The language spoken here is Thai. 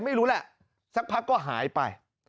ไม่รู้แหละสักพักก็หายไป